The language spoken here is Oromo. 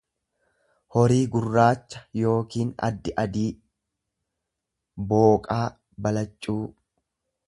horii gurraacha yookiin addi adii, booqaa, balaccuu.